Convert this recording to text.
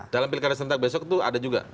dalam pilkada serentak besok itu ada juga